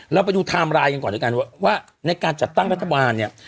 เราไปดูไทม์ไลน์กันก่อนด้วยกันว่าว่าในการจัดตั้งรัฐบาลเนี่ย